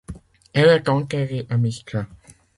Elle est enterrée à Mistra.